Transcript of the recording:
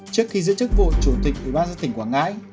trước khi giữ chức vụ chủ tịch ủy ban dân tỉnh quảng ngãi